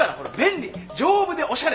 丈夫でおしゃれ。